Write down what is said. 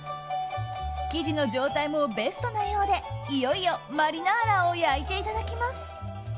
生地の状態もベストなようでいよいよマリナーラを焼いていただきます。